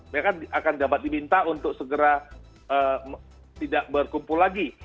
mereka akan dapat diminta untuk segera tidak berkumpul lagi